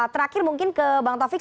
terakhir mungkin ke bang taufik